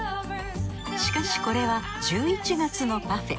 しかしこれは１１月のパフェ。